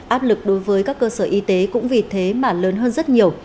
áp lực đối với các cơ sở y tế cũng vì thế mà lớn hơn rất nhiều